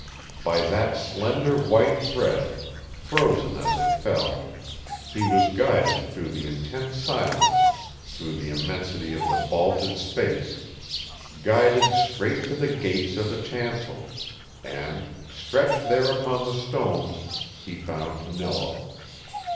By that slender white thread, frozen as it fell, he was guided through the intense silence, through the immensity of the vaulted space guided straight to the gates of the chancel, and, stretched there upon the stones, he found Nello.